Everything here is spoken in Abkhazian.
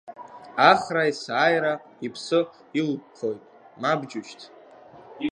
Ахра есааира иԥсы илққоит мап, џьушьҭ!